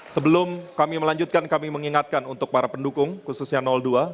sebelum kami melanjutkan kami mengingatkan untuk para pendukung khususnya dua